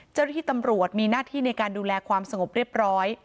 เจ้าหน้าที่ตำรวจมีหน้าที่ในการดูแลความสงบเรียบร้อย